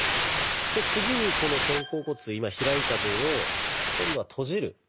で次にこの肩甲骨今開いた分を今度は閉じる。